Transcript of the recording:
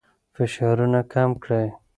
فشارونه کم کړئ.